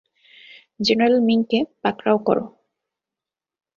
General মিংকে পাকড়াও করো!